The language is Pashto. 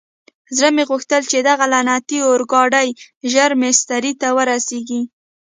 زړه مې غوښتل چې دغه لعنتي اورګاډی ژر مېسترې ته ورسېږي.